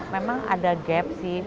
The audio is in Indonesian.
memang ada gap sih